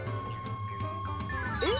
えっ？